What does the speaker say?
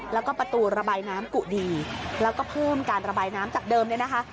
แล้วก็ประตูระบายน้ำกุดีแล้วก็เพิ่มการระบายน้ำจากเดิมเนี่ยนะคะ